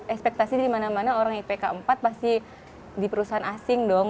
ekspektasi di mana mana orang ipk empat pasti di perusahaan asing dong